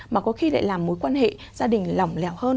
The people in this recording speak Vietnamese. mà có khi lại làm mối quan hệ gia đình lỏng lẻo hơn